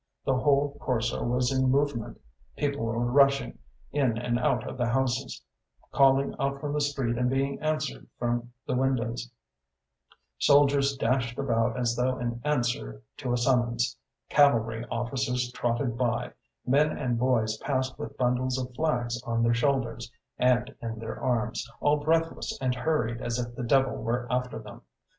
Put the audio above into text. The whole Corso was in movement; people were rushing in and out of the houses, calling out from the street and being answered from the windows; soldiers dashed about as though in answer to a summons; cavalry officers trotted by; men and boys passed with bundles of flags on their shoulders and in their arms, all breathless and hurried, as if the devil were after them.